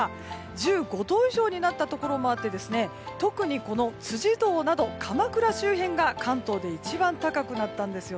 １５度以上になったところもあって特に辻堂など鎌倉周辺が関東で一番高くなったんです。